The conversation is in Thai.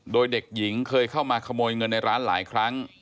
โดยเด็กหญิงเคยเข้ามาขโมยเงินในร้านหลายครั้ง